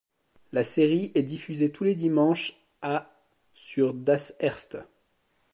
La série est diffusée tous les dimanches à sur Das Erste.